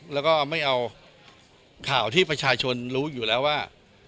แล้วก็ไม่เอาข่าวที่ประชาชนรู้อยู่แล้วว่า